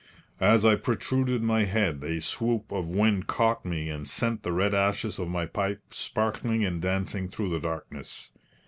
As I protruded my head, a swoop of wind caught me and sent the red ashes of my pipe sparkling and dancing through the darkness.